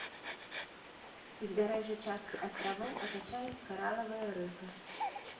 Узбярэжжа часткі астравоў атачаюць каралавыя рыфы.